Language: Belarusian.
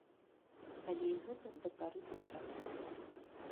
Але і гэта да пары да часу.